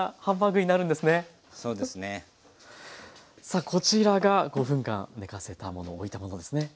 さあこちらが５分間寝かせたものおいたものですね。